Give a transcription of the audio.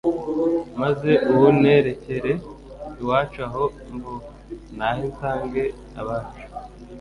maze uwunterekere iwacu aho mvuka, ntahe nsange abacu.